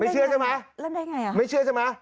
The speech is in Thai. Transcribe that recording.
ฮะเล่นได้ไงเล่นได้ไงไม่เชื่อใช่มั้ย